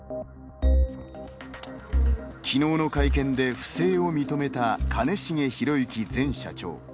昨日の会見で不正を認めた兼重宏行前社長。